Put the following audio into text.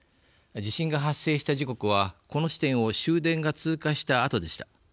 地震が発生した時刻はこの地点を終電が通過したあとでした。